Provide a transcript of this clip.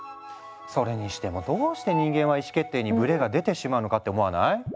それにしてもどうして人間は意思決定にブレが出てしまうのかって思わない？